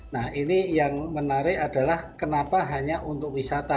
nah ini yang menarik adalah kenapa hanya untuk wisata